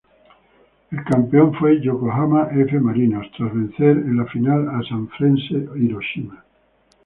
El campeón fue Yokohama F. Marinos, tras vencer en la final a Sanfrecce Hiroshima.